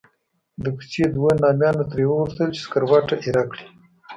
د کوڅې دوو نامیانو ترې وغوښتل چې سکروټه ایره کړي.